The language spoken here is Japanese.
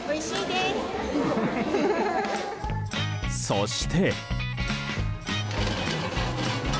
そして。